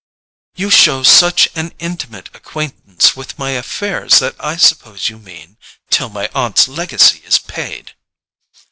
"You show such an intimate acquaintance with my affairs that I suppose you mean—till my aunt's legacy is paid?"